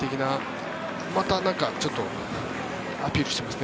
またちょっとアピールしてますね